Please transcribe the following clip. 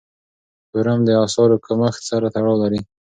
تورم د اسعارو کمښت سره تړاو لري.